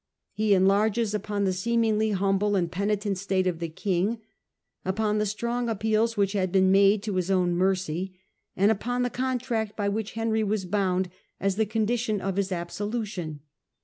He enlarges upon the seemingly humble and penitent state of the king, upon the strong appeals which had been made to his own mercy, and upon the con tract by which Henry was bound as the condition of his absolution.